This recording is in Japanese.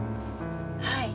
はい。